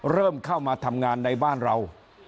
เริ่มเข้ามาทำงานในบ้านเรา